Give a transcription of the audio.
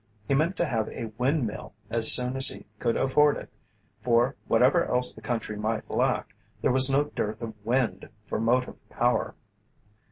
He meant to have a windmill as soon as he could afford it, for whatever else the country might lack there was no dearth of wind for motive power.